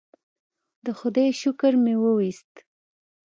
د خدای شکر مې وویست.